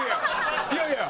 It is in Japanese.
いやいや！